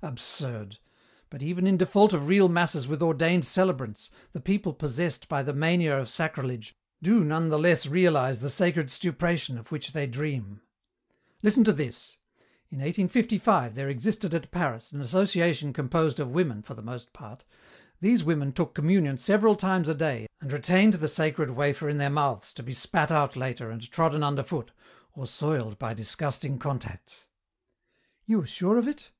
Absurd! But even in default of real masses with ordained celebrants, the people possessed by the mania of sacrilege do none the less realize the sacred stupration of which they dream. "Listen to this. In 1855 there existed at Paris an association composed of women, for the most part. These women took communion several times a day and retained the sacred wafer in their mouths to be spat out later and trodden underfoot or soiled by disgusting contacts." "You are sure of it?"